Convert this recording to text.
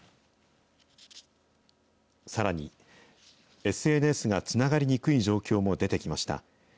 さらに、ＳＮＳがつながりにくい状況も出てきました。